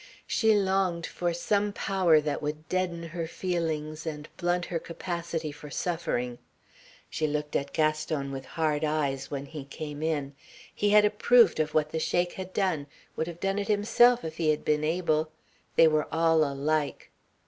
She longed for some power that would deaden her feelings and blunt her capacity for suffering. She looked at Gaston with hard eyes when he came in. He had approved of what the Sheik had done, would have done it himself if he had been able. They were all alike.